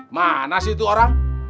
mana situ orang